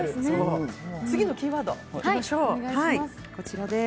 次のキーワードにいきましょう。